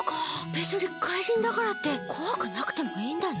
べつに怪人だからってこわくなくてもいいんだね！